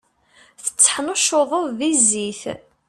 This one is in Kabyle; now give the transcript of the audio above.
Tetteḥnuccuḍeḍ di zzit.